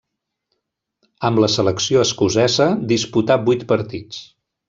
Amb la selecció escocesa disputà vuit partits.